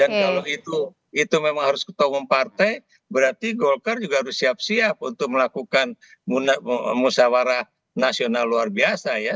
dan kalau itu memang harus ketua umum partai berarti golkar juga harus siap siap untuk melakukan musawarah nasional luar biasa